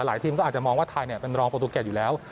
ทีมก็อาจจะมองว่าไทยเป็นรองประตูเกรดอยู่แล้ว